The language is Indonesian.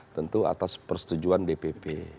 tentu atas persetujuan dpp